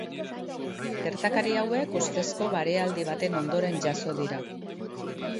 Gertakari hauek ustezko barealdi baten ondoren jazo dira.